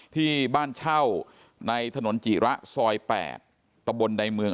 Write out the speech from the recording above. ที่บ้านเช่าในถนนจิระซอย๘ตะบนใดเมือง